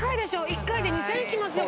１回で２０００円いきますよ。